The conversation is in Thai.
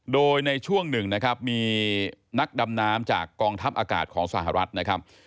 โดยในช่วงหนึ่งนะครับมีนักดำน้ำจากกองทัพอากาศของสหรัฐนะครับ